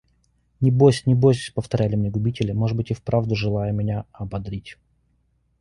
«Не бось, не бось», – повторяли мне губители, может быть и вправду желая меня ободрить.